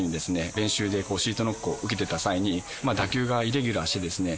練習でシートノックを受けてた際に打球がイレギュラーしてですね